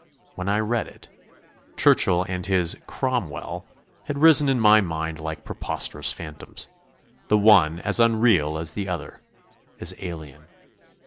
When I read it, Churchill and his "Cromwell" had risen in my mind like preposterous phantoms; the one as unreal as the other as alien.